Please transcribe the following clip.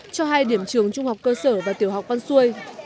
cho hai điểm trường trung học cơ sở và tiểu học văn xôi